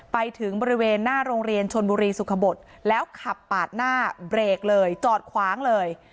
ไปถึงบริเวณหน้าโรงเรียนชนบุรีสุขบทแล้วขับปาดหน้าเบรกเลยจอดขวางเลย